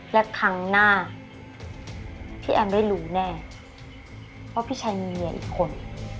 และครั้งหน้าพี่แอมได้รู้แน่ว่าพี่ชัยมีเมียอีกคน